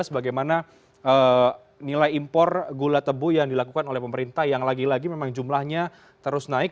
bagaimana nilai impor gula tebu yang dilakukan oleh pemerintah yang lagi lagi memang jumlahnya terus naik